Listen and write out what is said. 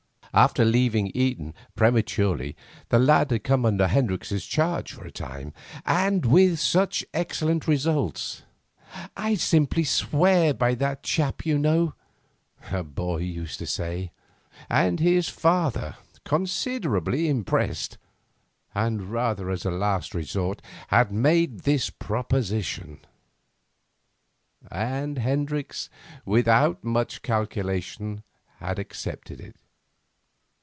After leaving Eton prematurely the lad had come under Hendricks' charge for a time, and with such excellent results 'I'd simply swear by that chap, you know,' the boy used to say that his father, considerably impressed, and rather as a last resort, had made this proposition. And Hendricks, without much calculation, had accepted it.